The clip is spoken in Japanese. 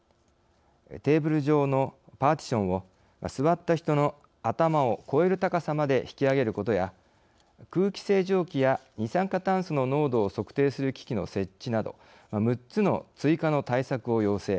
テーブル上のパーティションを座った人の頭を越える高さまで引き上げることや空気清浄機や二酸化炭素の濃度を測定する機器の設置など６つの追加の対策を要請。